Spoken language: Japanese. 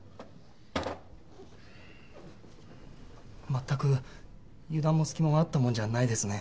まったく油断も隙もあったもんじゃないですね。